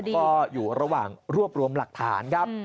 ก็อยู่ระหว่างรวบรวมหลักฐานครับ